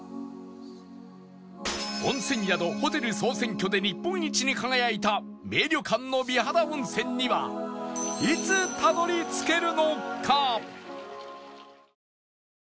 温泉宿・ホテル総選挙で日本一に輝いた名旅館の美肌温泉にはいつたどり着けるのか？